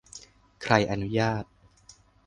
ใครอนุญาต